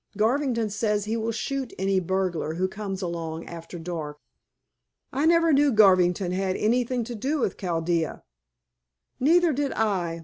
Garvington says he will shoot any burglar who comes along after dark." "I never knew Garvington had anything to do with Chaldea." "Neither did I.